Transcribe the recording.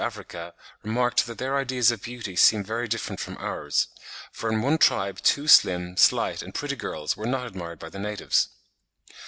Africa, remarked that their ideas of beauty seem very different from ours; for in one tribe two slim, slight, and pretty girls were not admired by the natives.